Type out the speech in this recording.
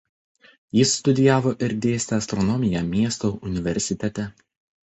Jis studijavo ir dėstė astronomiją miesto universitete.